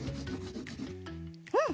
うん！